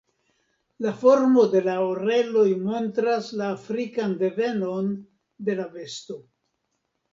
La formo de la oreloj montras la afrikan devenon de la besto.